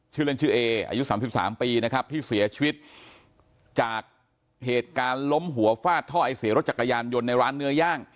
ชื่อเล่นชื่อเออายุ๓๓ปีนะครับที่เสียชีวิตจากเหตุการณ์ล้มหัวฟาดท่อไอเสียรถจักรยานยนต์ในร้านเนื้อย่าง